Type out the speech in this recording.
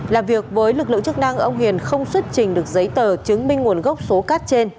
làm việc với lực lượng chức năng ông hiền không xuất trình được giấy tờ chứng minh nguồn gốc số cát trên